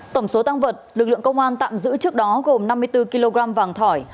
tổng số tăng vật lực lượng công an tạm giữ trước đó gồm năm mươi bốn kg vàng thỏi